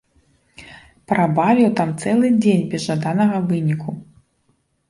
Прабавіў там цэлы дзень без жаданага выніку.